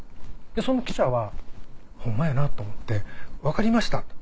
その記者はホンマやなと思って「分かりました。